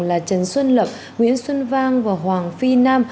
là trần xuân lập nguyễn xuân vang và hoàng phi nam